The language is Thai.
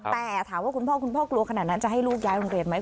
แต่ถามว่าคุณพ่อคุณพ่อกลัวขนาดนั้นจะให้ลูกย้ายโรงเรียนไหม